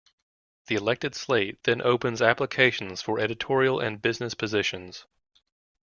The elected slate then opens applications for editorial and business positions.